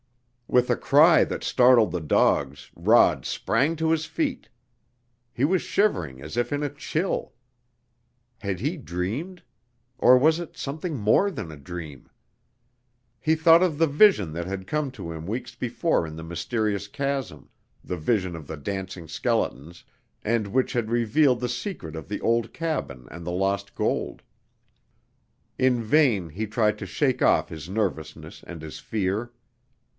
With a cry that startled the dogs Rod sprang to his feet. He was shivering as if in a chill. Had he dreamed? Or was it something more than a dream? He thought of the vision that had come to him weeks before in the mysterious chasm, the vision of the dancing skeletons, and which had revealed the secret of the old cabin and the lost gold. In vain he tried to shake off his nervousness and his fear.